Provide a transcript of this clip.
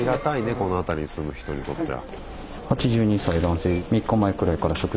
この辺りに住む人にとっては。